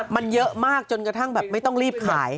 มันเยอะมากจนกระทั่งแบบไม่ต้องรีบขาย